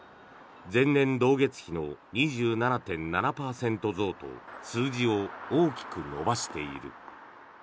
前年同月比の２７．７％増と数字を大きく伸ばしている。